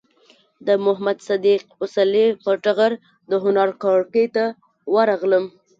د محمد صدیق پسرلي پر ټغر د هنر کړکۍ ته ورغلم.